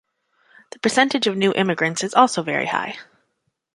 The percentage of new immigrants is also very high.